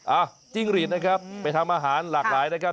จิ้งหรีดนะครับไปทำอาหารหลากหลายนะครับ